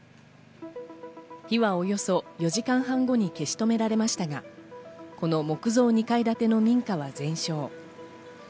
火はおよそ４時間半後に消し止められましたが、この木造２階建ての民家が全焼。